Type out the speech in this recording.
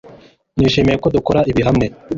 nishimiye ko dukora ibi hamwe